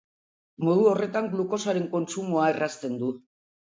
Modu horretan glukosaren kontsumoa errazten du.